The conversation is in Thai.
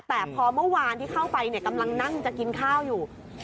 แต่พอเมื่อวานที่เข้าไปกำลังนั่งจะกินข้าวอยู่